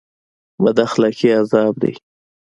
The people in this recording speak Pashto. بد اخلاقي عذاب دی